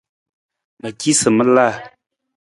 Ma ci sa ma la.